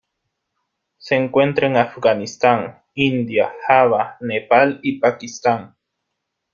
Se encuentra en Afganistán, India, Java, Nepal y Pakistán.